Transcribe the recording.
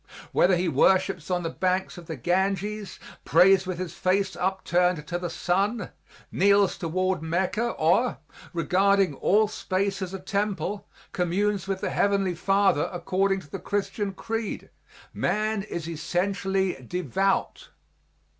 Whether he worships on the banks of the Ganges, prays with his face upturned to the sun, kneels toward Mecca or, regarding all space as a temple, communes with the Heavenly Father according to the Christian creed, man is essentially devout.